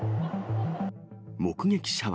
目撃者は。